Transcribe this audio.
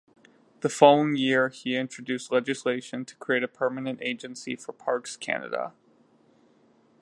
He following year, he introduced legislation to create a permanent agency for Parks Canada.